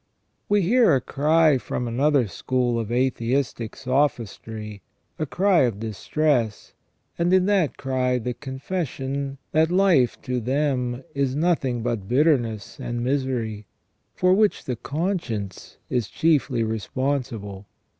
We hear a cry from another school of atheistic sophistry, a cry of distress, and in that cry the confession that life, to them, is nothing but bitterness and misery, for which the conscience is chiefly responsible.